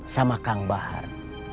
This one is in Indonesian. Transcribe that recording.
sama kang bahar